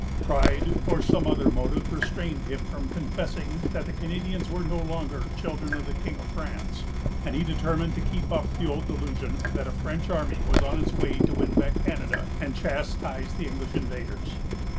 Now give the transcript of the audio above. Pride, or some other motive, restrained him from confessing that the Canadians were no longer children of the King of France, and he determined to keep up the old delusion that a French army was on its way to win back Canada, and chastise the English invaders.